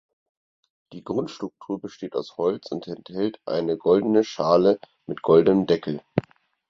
Die Grundstruktur besteht aus Holz und enthält eine goldene Schale mit goldenem Deckel.